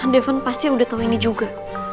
devon pasti udah tahu ini juga